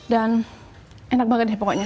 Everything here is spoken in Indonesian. dan enak banget deh pokoknya